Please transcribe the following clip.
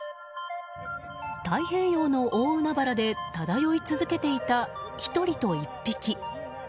太平洋の大海原で漂い続けていた１人と１匹。